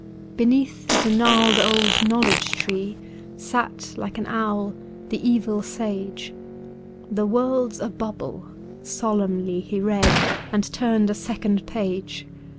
Beneath the gnarled old Knowledge tree Sat, like an owl, the evil sage :* The world 's a bubble, ' solemnly He read, and turned a second page.